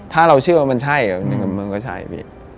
ถ้าเราเชื่อว่ามันใช่ก็ใช่